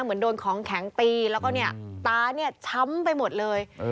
เหมือนโดนของแข็งตีแล้วก็เนี่ยตาเนี่ยช้ำไปหมดเลย